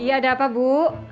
iya ada apa bu